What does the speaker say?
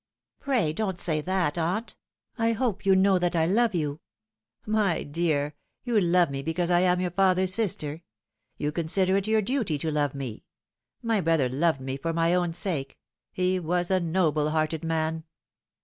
" Pray don't say that, aunt. I hope you know that I love you." " My dear, you love me because I am your father's sister. You consider it your duty to love me. My brother loved me for my own sake. He was a noble hearted man."